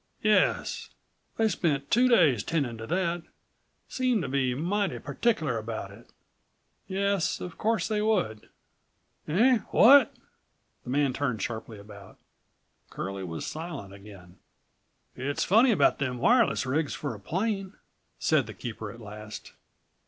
"Yes. They spent two days tending to that; seemed to be mighty particular about it." "Yes, of course they would." "Eh? What?" the man turned sharply about. Curlie was silent again. "It's funny about them wireless rigs for a plane," said the keeper at last.